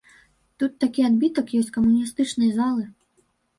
Тут такі адбітак ёсць камуністычнай залы.